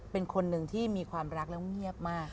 เป็นคนหนึ่งที่มีความรักแล้วเงียบมาก